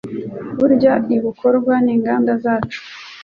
kurya ibukorwa ninganda zacu